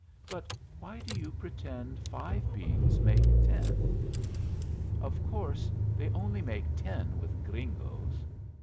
"But why do you pretend five beans make ten?" "Of course they only make ten with gringos."